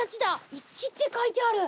「１」って書いてある。